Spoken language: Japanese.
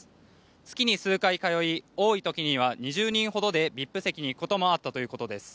月に数回通い多い時には２０人ほどでＶＩＰ席に行くこともあったということです。